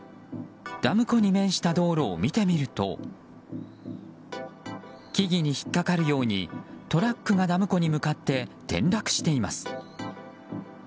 ダム湖に面した道路を見てみると木々に引っかかるようにトラックがダム湖に向かって転落しています。